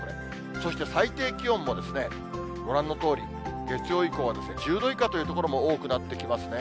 そして最低気温もご覧のとおり、月曜以降は１０度以下という所も多くなってきますね。